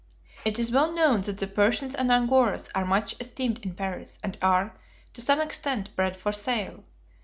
It is well known that the Persians and Angoras are much esteemed in Paris and are, to some extent, bred for sale.